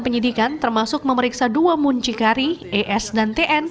penyidikan termasuk memeriksa dua muncikari es dan tn